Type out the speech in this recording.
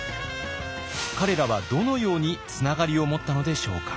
彼らはどのようにつながりを持ったのでしょうか。